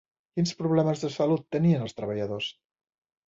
Quins problemes de salut tenien els treballadors?